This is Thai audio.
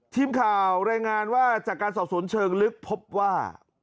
ทีมข่าวรายงานว่าจากการสอบสวนเชิงลึกพบว่า